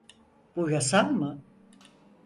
Bu yasal mı?